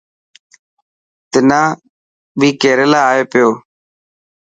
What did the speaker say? تنا ٻي ڪيريلا آئي پيو.